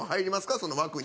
その枠に。